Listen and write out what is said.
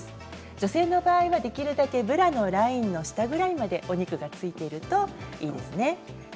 女性の場合はできるだけブラのラインの下ぐらいまでお肉がついているといいですね。